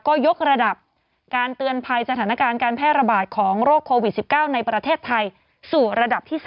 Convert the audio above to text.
ก็ยกระดับการเตือนภัยสถานการณ์การแพร่ระบาดของโรคโควิด๑๙ในประเทศไทยสู่ระดับที่๓